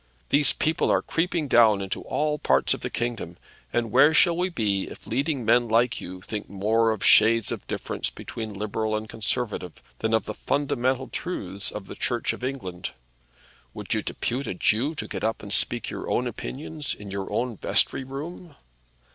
These people are creeping down into all parts of the kingdom, and where shall we be if leading men like you think more of shades of difference between liberal and conservative than of the fundamental truths of the Church of England? Would you depute a Jew to get up and speak your own opinions in your own vestry room?"